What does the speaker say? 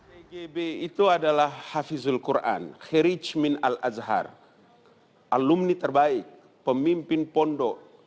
tgb itu adalah hafizul quran herijmin al azhar alumni terbaik pemimpin pondok